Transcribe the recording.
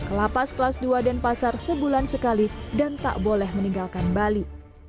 ke lapas kelas dua dan pasar sebulan sekali dan tak boleh meninggalkan bali